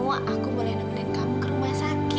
wah aku boleh nemenin kamu ke rumah sakit